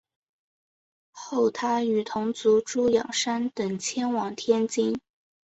后他与同族朱仰山等迁往天津。